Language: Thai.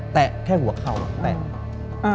แตะแค่หัวเข่าแตะ